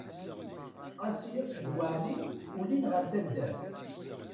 Qasi akked Waɛli ulin ɣer taddart.